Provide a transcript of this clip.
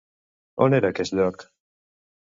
On era aquest lloc?